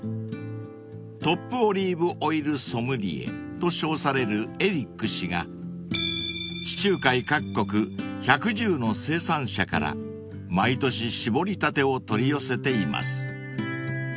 ［トップオリーブオイルソムリエと称されるエリック氏が地中海各国１１０の生産者から毎年搾りたてを取り寄せています］